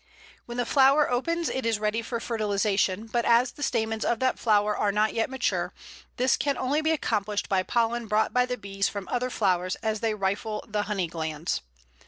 When the flower opens it is ready for fertilization, but as the stamens of that flower are not yet mature this can only be accomplished by pollen brought by the bees from other flowers as they rifle the honey glands.